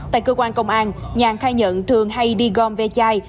tại cơ quan công an nhàn khai nhận thường hay đi gom ve chai